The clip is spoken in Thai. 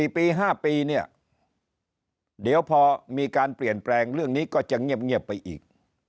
๔ปี๕ปีเนี่ยเดี๋ยวพอมีการเปลี่ยนแปลงเรื่องนี้ก็จะเงียบไปอีก